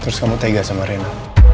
terus kamu tega sama rena